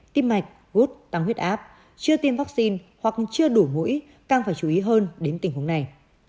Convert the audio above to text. tim mạch gút tăng huyết áp chưa tiêm vaccine hoặc chưa đủ mũi càng phải chú ý hơn đến tình huống này